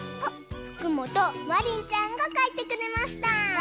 ふくもとまりんちゃんがかいてくれました！